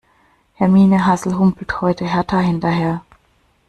Hermine Hassel humpelt heute Hertha hinterher.